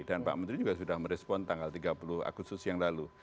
dan pak menteri juga sudah merespon tanggal tiga puluh agustus yang lalu